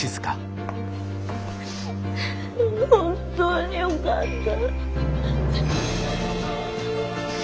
本当によかった。